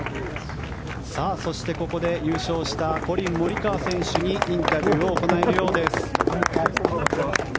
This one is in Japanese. そして、ここで優勝したコリン・モリカワ選手にインタビューを行えるようです。